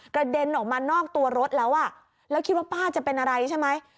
เด็นออกมานอกตัวรถแล้วอ่ะแล้วคิดว่าป้าจะเป็นอะไรใช่ไหม